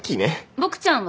ボクちゃんは？